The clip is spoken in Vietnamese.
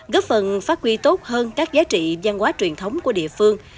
góp phần phát huy tốt hơn các giá trị văn hóa truyền thống của địa phương